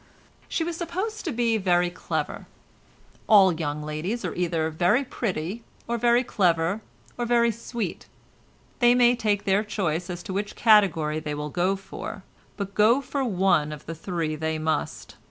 She was supposed to be very clever. All young ladies are either very pretty or very clever or very sweet; they may take their choice as to which category they will go in for, but go in for one of the three they must.